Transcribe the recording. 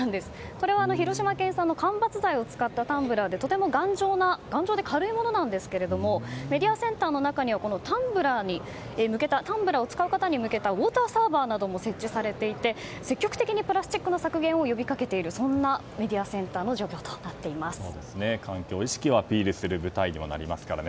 これは広島県産の間伐材を使ったタンブラーでとても頑丈で軽いものなんですがメディアセンターの中にはタンブラーを使う方に向けたウォーターサーバーなども設置されていて積極的にプラスチックの削減を呼びかけているメディアセンターの状況と環境意識をアピールする舞台にもなりますからね。